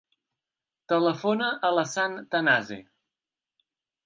Telefona a l'Hassan Tanase.